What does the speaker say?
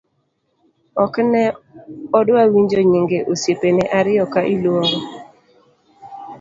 ok ne odwa winjo nyinge osiepene ariyo ka iluongo